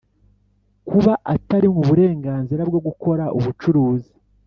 kuba atarimwe uburenganzira bwo gukora ubucuruzi,